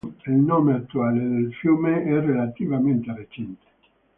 Il nome attuale del fiume è relativamente recente.